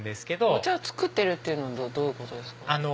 お茶を作ってるっていうのはどういうことですか？